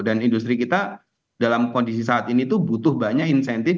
dan industri kita dalam kondisi saat ini tuh butuh banyak insentif